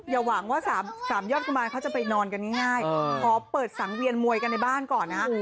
อย่าหวังว่า๓ยอดกุมารเขาจะไปนอนกันง่ายขอเปิดสังเวียนมวยกันในบ้านก่อนนะฮะ